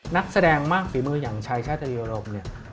นักแสดงมากฝีมืออย่างชายชาตรีอารมณ์เนี่ย